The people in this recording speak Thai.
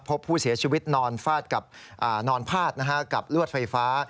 พบผู้เสียชีวิตนอนพาดกับลวดไฟฟ้า